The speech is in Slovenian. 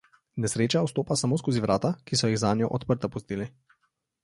Nesreča vstopa samo skozi vrata, ki so jih zanjo odprta pustili.